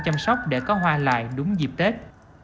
chăm sóc để có hoa lại đúng dịp tết